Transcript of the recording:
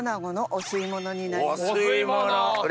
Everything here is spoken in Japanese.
お吸い物。